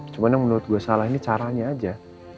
cuma yang menurut gue salah ini caranya aja